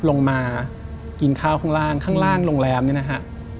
ลงมากินข้าวข้างล่างข้างล่างโรงแรมเนี่ยนะฮะ